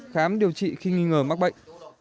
khám điều trị khi nghi ngờ mắc bệnh